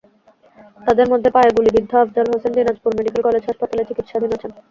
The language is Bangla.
তাঁদের মধ্যে পায়ে গুলিবিদ্ধ আফজাল হোসেন দিনাজপুর মেডিকেল কলেজ হাসপাতালে চিকিৎসাধীন আছেন।